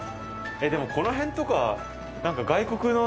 でもこの辺とか。